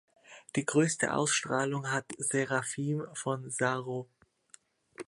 Die größte Ausstrahlung hat Seraphim von Sarow.